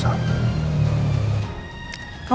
aku mau berbicara sama kamu